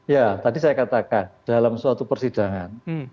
ya tadi saya katakan dalam suatu persidangan